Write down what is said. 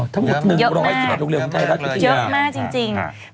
ทั้งหมด๑๑๑โรงเรียนไทยรัฐวิทยาจริงค่ะ